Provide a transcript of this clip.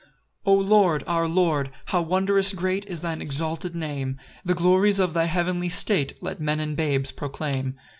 1 O Lord, our Lord, how wondrous great Is thine exalted name! The glories of thy heavenly state Let men and babes proclaim.